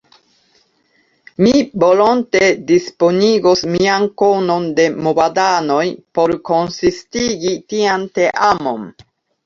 Mi volonte disponigos mian konon de movadanoj por konsistigi tian teamon.